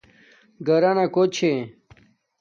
گھرانا کو چھے